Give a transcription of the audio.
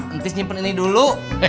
antis nyimpen ini dulu